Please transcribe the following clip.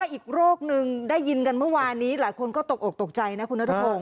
อีกโรคนึงได้ยินกันเมื่อวานนี้หลายคนก็ตกอกตกใจนะคุณนัทพงศ